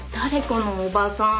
このおばさん。